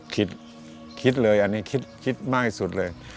คิดคิดเลยอันนี้คิดมากที่สุดเลย